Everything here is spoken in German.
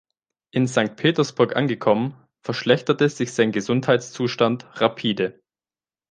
In Sankt Petersburg angekommen, verschlechterte sich sein Gesundheitszustand rapide.